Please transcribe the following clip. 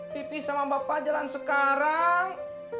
pipi sama bapak jalan sekarang